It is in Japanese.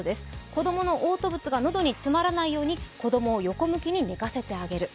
子供のおう吐物が喉に詰まらないように子供を横に寝かせてあげる。